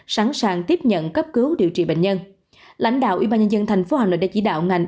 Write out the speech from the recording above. sẵn sàng tiếp nhận cấp cứu điều trị bệnh nhân lãnh đạo ubnd tp hà nội đã chỉ đạo ngành